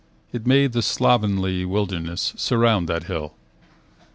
It made the slovenly wilderness Surround that hill.